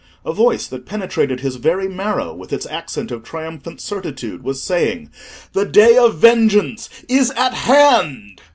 A voice that penetrated his very marrow with its accent of triumphant certitude was saying—"The day of vengeance is at hand!"